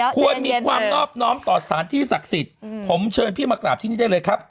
ควรมีความนอบน้อมต่อสถานที่ศักดิ์สิทธิ์ผมเชิญพี่มากราบที่นี่ได้เลยครับ